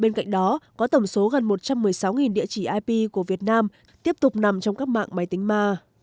bên cạnh đó có tổng số gần một trăm một mươi sáu địa chỉ ip của việt nam tiếp tục nằm trong các mạng máy tính mạng